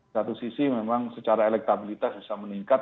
satu sisi memang secara elektabilitas bisa meningkat